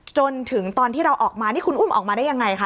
จนถึงตอนที่เราออกมานี่คุณอุ้มออกมาได้ยังไงคะ